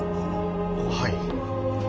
はい。